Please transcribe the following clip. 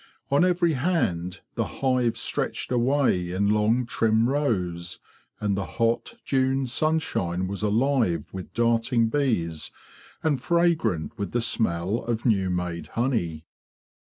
On every hand the hives stretched away in long trim rows, and the hot June sunshine was alive with darting bees and fragrant with the smell of new made honey.